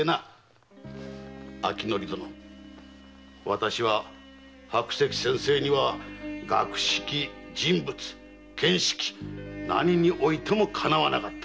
私は白石先生には学識・人物・見識何においてもかなわなかった。